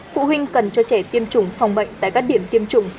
phụ huynh cần cho trẻ tiêm chủng phòng bệnh tại các điểm tiêm chủng